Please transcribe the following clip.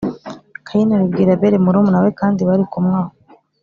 Kayini abibwira Abeli murumuna we Kandi barikumwe aho